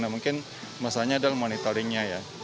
nah mungkin masalahnya adalah monitoringnya ya